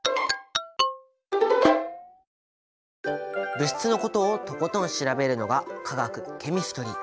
物質のことをとことん調べるのが化学ケミストリー。